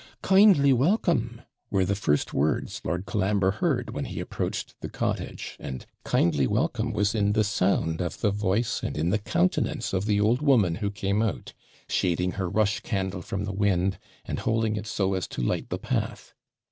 'Kindly welcome,' were the first words Lord Colambre heard when he approached the cottage; and 'kindly welcome' was in the sound of the voice and in the countenance of the old woman who came out, shading her rush candle from the wind, and holding it so as to light the path.